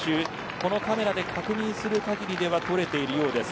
このカメラで確認するかぎり取れているようです。